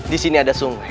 di sini ada sungai